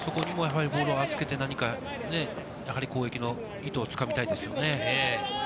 そこにもボールを預けて、何か攻撃の意図をつかみたいですね。